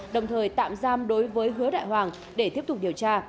đồng thời tạm giam đối với hứa đại hoàng để tiếp tục điều tra